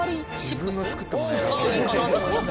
がいいかなと思います。